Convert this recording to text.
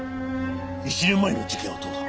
１年前の事件はどうだ？